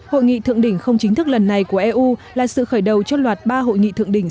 hội nghị thượng đỉnh không chính thức lần này của eu là sự khởi đầu cho loạt ba hội nghị thượng đỉnh